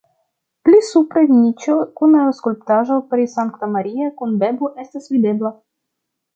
Pli supre niĉo kun skulptaĵo pri Sankta Maria kun bebo estas videbla.